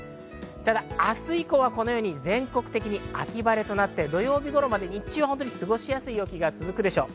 明日以降は全国的に秋晴れとなって、土曜日頃まで日中は過ごしやすい陽気が続くでしょう。